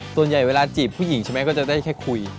ส่วนใหญ่เวลาจีบผู้หญิงใช่ไหมก็จะได้แค่คุย